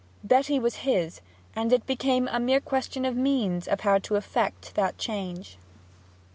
Betty was his, and it became a mere question of means how to effect that change.